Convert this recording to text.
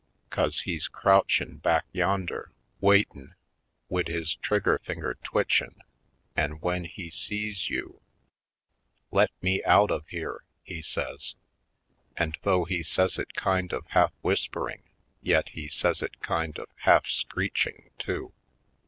'Cause he's crouchin' back yonder waitin', wid his trigger finger twitchin', an' w'en he sees you " "Let me out of here!" he says. And though he says it kind of half whispering yet he says it kind of half screeching, too.